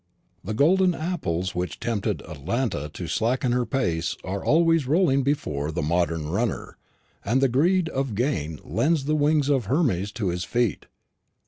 The golden apples which tempted Atalanta to slacken her pace are always rolling before the modern runner, and the greed of gain lends the wings of Hermes to his feet.